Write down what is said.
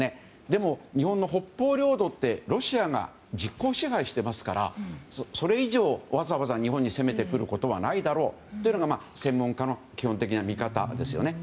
でも、日本の北方領土はロシアが実効支配していますからそれ以上、わざわざ日本に攻めてくることはないだろうというのが専門家の基本的な見方ですよね。